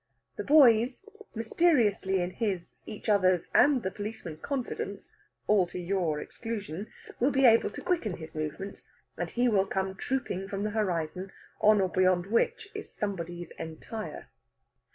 The boys, mysteriously in his, each other's, and the policeman's confidence (all to your exclusion), will be able to quicken his movements, and he will come trooping from the horizon, on or beyond which is Somebody's Entire.